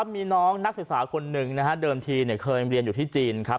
มีน้องนักศึกษาคนหนึ่งนะฮะเดิมทีเคยเรียนอยู่ที่จีนครับ